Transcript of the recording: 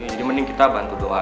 jadi mending kita bantu doa aja